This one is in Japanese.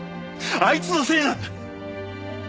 あいつのせいなんだ。